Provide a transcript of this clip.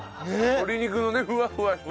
鶏肉のねふわふわした。